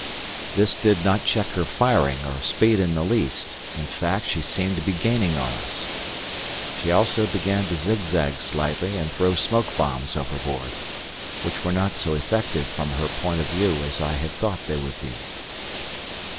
This did not check her firing or speed in the least, in fact she seemed to be gaining on us. She also began to zigzag slightly and throw smoke bombs overboard, which were not so effective from her point of view as I had thought they would be.